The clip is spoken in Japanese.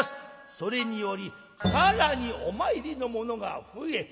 「それにより更にお参りの者が増え